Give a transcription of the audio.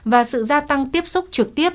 và sự gia tăng tiếp xúc trực tiếp